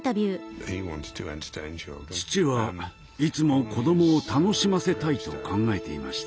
父はいつも子供を楽しませたいと考えていました。